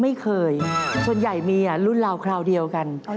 ไม่เคยส่วนใหญ่มีรุ่นราวคราวเดียวกัน